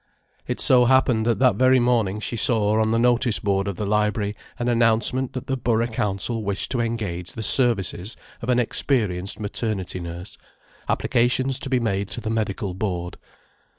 It so happened that that very morning she saw on the notice board of the library an announcement that the Borough Council wished to engage the services of an experienced maternity nurse, applications to be made to the medical board.